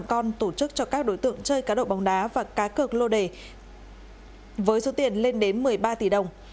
con tổ chức cho các đối tượng chơi cá độ bóng đá và cá cực lô đề với số tiền lên đến một mươi ba tỷ đồng